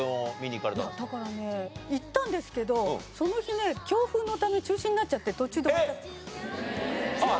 いやだからね行ったんですけどその日ね強風のため中止になっちゃって途中で終わっちゃった。